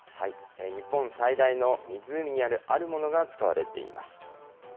日本最大の湖にあるあるものが使われています。